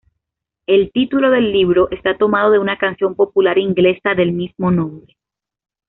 El título del libro está tomado de una canción popular inglesa del mismo nombre.